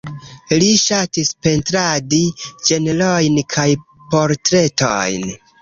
Li ŝatis pentradi ĝenrojn kaj portretojn.